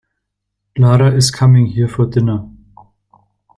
Lara is coming here for dinner.